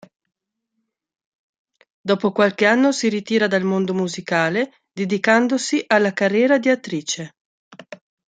Dopo qualche anno si ritira dal mondo musicale, dedicandosi alla carriera di attrice.